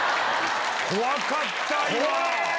怖かった、今。